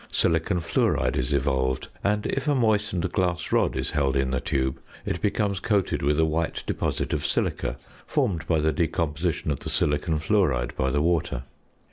Silicon fluoride is evolved, and, if a moistened glass rod is held in the tube, it becomes coated with a white deposit of silica, formed by the decomposition of the silicon fluoride by the water.